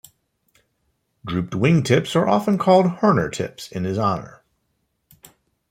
Drooped wingtips are often called "Hoerner tips" in his honor.